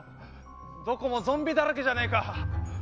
どこもゾンビだらけじゃねえか。